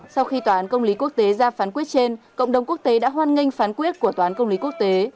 sau khi tòa án công lý quốc tế ra phán quyết trên cộng đồng quốc tế đã hoan nghênh phán quyết của toán công lý quốc tế